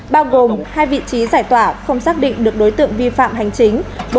bao gồm hai vị trí giải tỏa không xác định được đối tượng vi phạm hành chính